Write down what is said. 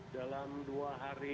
dalam dua hari